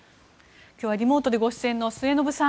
リモートでご出演の末延さん